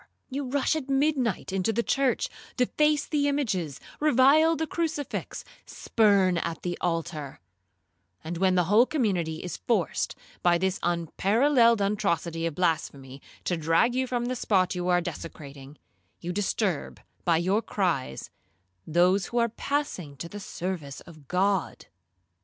You rush at midnight into the church, deface the images, revile the crucifix, spurn at the altar; and when the whole community is forced, by this unparalleled atrocity of blasphemy, to drag you from the spot you are desecrating, you disturb, by your cries, those who are passing to the service of God.